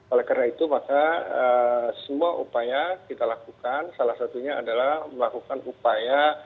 oleh karena itu maka semua upaya kita lakukan salah satunya adalah melakukan upaya